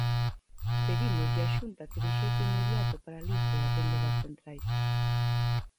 Pedímoslle á Xunta que de xeito inmediato paralice a venda das centrais.